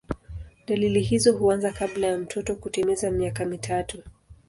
Dalili hizo huanza kabla ya mtoto kutimiza miaka mitatu.